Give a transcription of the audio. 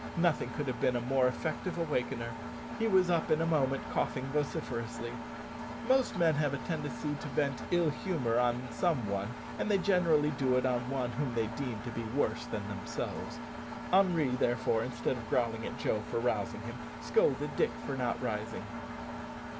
Nothing could have been a more effective awakener. He was up in a moment coughing vociferously. Most men have a tendency to vent ill humour on some one, and they generally do it on one whom they deem to be worse than themselves. Henri, therefore, instead of growling at Joe for rousing him, scolded Dick for not rising.